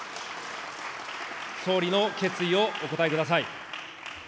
総理の決意をお答えください。